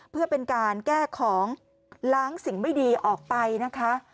เพื่อเป็นการแก้ของล้างสิ่งไม่ดีออกไปนะคะ